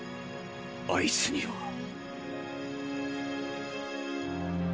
あいつには。